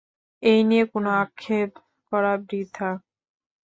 এই নিয়ে কোনো আক্ষেপ করা বৃথা।